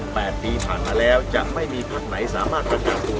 ๘ปีผ่านมาแล้วจะไม่มีพักไหนสามารถประกันตัว